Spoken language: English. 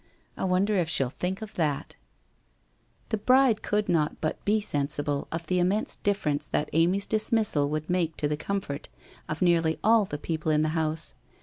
I wonder if she'll think of that ?' The bride could not but be sensible of the immense dif ference that Amy's dismissal would make to the comfort of nearly all the people in the house.